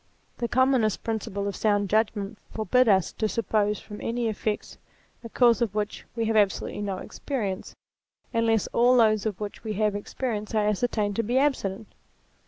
The commonest principles of sound judgment forbid us to suppose for any effect a cause of which we have 2 230 THEISM absolutely no experience, unless all those of which we have experience are ascertained to be absent.